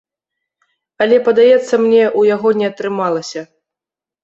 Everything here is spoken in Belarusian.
Але, падаецца мне, у яго не атрымалася.